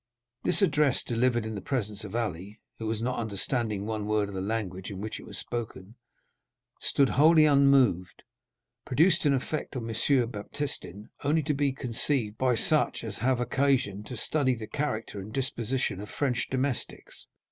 This address, delivered in the presence of Ali, who, not understanding one word of the language in which it was spoken, stood wholly unmoved, produced an effect on M. Baptistin only to be conceived by such as have occasion to study the character and disposition of French domestics.